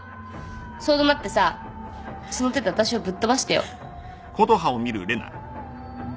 そう怒鳴ってさその手で私をぶっとばしてよ。